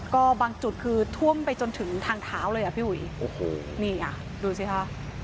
ก็บางจุดคือท่วมไปจนถึงทางเท้าเลยอ่ะพี่อุ๋ยโอ้โหนี่อ่ะดูสิค่ะ